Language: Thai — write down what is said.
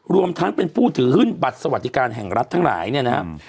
รวมทั้งเป็นผู้ถือหุ้นบัตรสวัสดิการแห่งรัฐทั้งหลายเนี่ยนะครับ